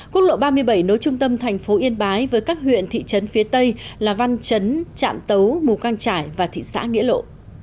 quốc lộ ba mươi bảy nối trung tâm thành phố yên bái với các huyện thị trấn phía tây là văn chấn trạm tấu mù căng trải và thị xã nghĩa lộ